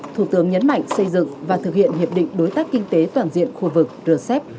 thủ tướng nhấn mạnh xây dựng và thực hiện hiệp định đối tác kinh tế toàn diện khu vực rcep